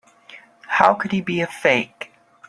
How could he be a fake?